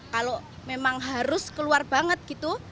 kalau memang harus keluar banget gitu